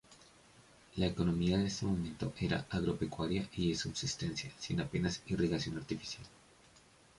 La economía de este momento era agropecuaria y de subsistencia, sin apenas irrigación artificial.